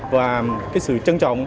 và sự trân trọng